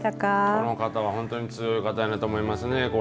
この方は本当に強い方やなと思いますね。